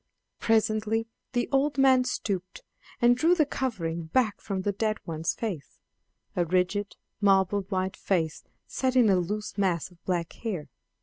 Presently the old man stooped and drew the covering back from the dead one's face a rigid, marble white face set in a loose mass of black hair.